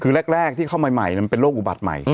คือแรกที่เข้ามาใหม่มันเป็นโรคอุบัติใหม่